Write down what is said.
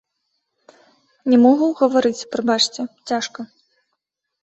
Не магу гаварыць, прабачце, цяжка.